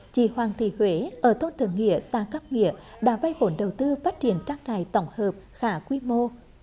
chị hoàng thị huế ở thôn thường nghĩa sa cắp nghĩa đã vai vốn đầu tư phát triển trác đài tổng hợp khả quy mô